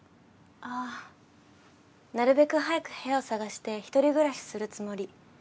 ああ。なるべく早く部屋を探して一人暮らしするつもり。